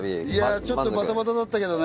ちょっとバタバタだったけどね